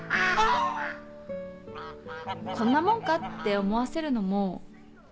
「こんなもんか」って思わせるのも大事だよ。